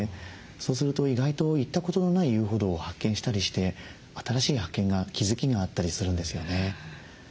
そうすると意外と行ったことのない遊歩道を発見したりして新しい発見が気付きがあったりするんですよね。